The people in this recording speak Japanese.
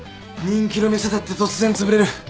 人気の店だって突然つぶれる。